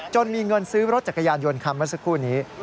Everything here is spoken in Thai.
มีเงินซื้อรถจักรยานยนต์คันเมื่อสักครู่นี้